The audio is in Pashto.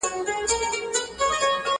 نور به له پالنګ څخه د جنګ خبري نه کوو!.